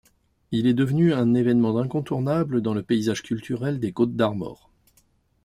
Il est devenu un événement incontournable dans le paysage culturel des Côtes-d'Armor.